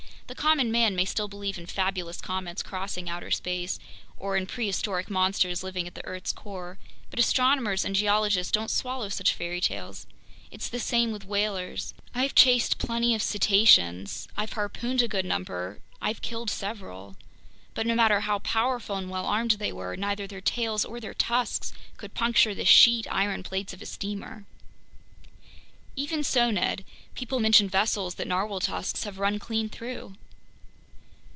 "The common man may still believe in fabulous comets crossing outer space, or in prehistoric monsters living at the earth's core, but astronomers and geologists don't swallow such fairy tales. It's the same with whalers. I've chased plenty of cetaceans, I've harpooned a good number, I've killed several. But no matter how powerful and well armed they were, neither their tails or their tusks could puncture the sheet iron plates of a steamer." "Even so, Ned, people mention vessels that narwhale tusks have run clean through."